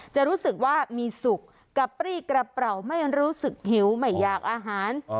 จะรู้สึกว่ามีสุขกระปรี้กระเป๋าไม่รู้สึกหิวไม่อยากอาหาร